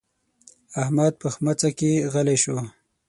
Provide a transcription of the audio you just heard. احمد په ښمڅه کې غلی شو.